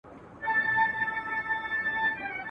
څوک به نه غواړي چي تش کړي ستا د میو ډک جامونه؟ ..